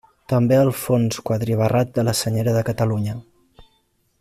També el fons quadribarrat de la Senyera de Catalunya.